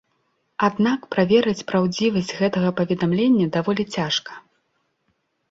Аднак, праверыць праўдзівасць гэтага паведамлення даволі цяжка.